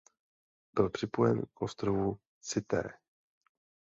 Byl připojen k ostrovu Cité.